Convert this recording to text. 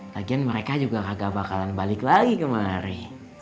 lagian mereka juga tidak akan kembali kemari